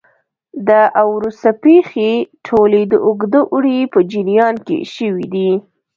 دا او وروسته پېښې ټولې د اوږده اوړي په جریان کې شوې دي